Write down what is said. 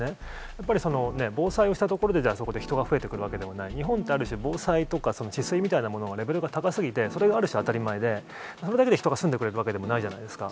やっぱり防災をしたところで、じゃあそこで人が増えてくるわけでもない、日本ってある種、防災とか治水みたいなもののレベルが高すぎて、それがある種、当たり前で、それだけで人が住んでくれるわけでもないじゃないですか。